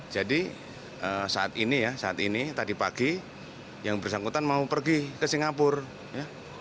jadi saat ini ya saat ini tadi pagi yang bersangkutan mau pergi ke singapura